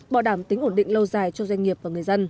bảo đảm tính ổn định lâu dài cho doanh nghiệp và người dân